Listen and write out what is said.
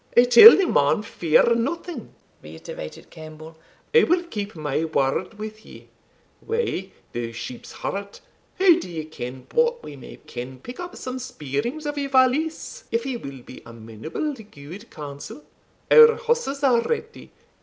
"I tell thee, man, fear nothing," reiterated Campbell; "I will keep my word with you Why, thou sheep's heart, how do ye ken but we may can pick up some speerings of your valise, if ye will be amenable to gude counsel? Our horses are ready.